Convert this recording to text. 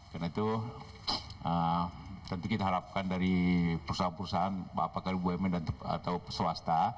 karena itu tentu kita harapkan dari perusahaan perusahaan apakah bumn atau swasta